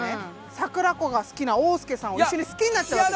桜子が好きな欧介さんを一緒に好きになっちゃうんです。